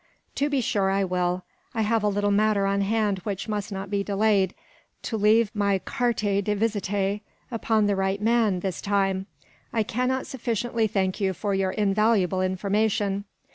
"To be sure I will. I have a little matter on hand which must not be delayed; to leave my carte de visite upon the right man, this time. I cannot sufficiently thank you for your invaluable information.